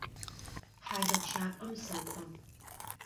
Хьалыгъущапӏэм сэкӏо.